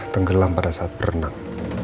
tenggelam pada saat berenang